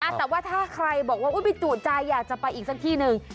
แต่ว่าถ้าใครบอกว่าไปจุใจอยากจะไปอีกสักที่หนึ่ง